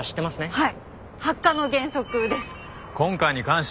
はい。